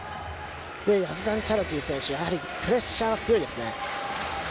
ヤズダニチャラティ選手、やはりプレッシャーが強いですね。